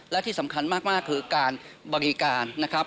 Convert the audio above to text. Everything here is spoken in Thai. และที่สำคัญมากคือการบริการนะครับ